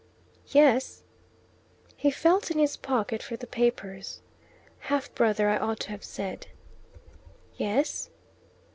"Yes?" He felt in his pocket for the papers. "Half brother I ought to have said." "Yes?"